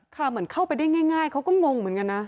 เหมือนเข้าไปได้ง่ายเขาก็งงเหมือนกันนะ